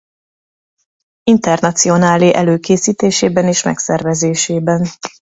Internacionálé előkészítésében és megszervezésében.